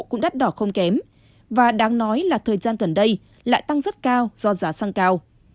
cũng đắt đỏ không kém và đáng nói là thời gian gần đây lại tăng rất cao do giá xăng cao